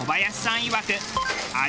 いわく味